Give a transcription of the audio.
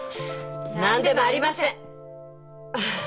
何でもありません！